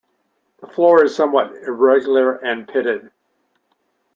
The floor is somewhat irregular and pitted.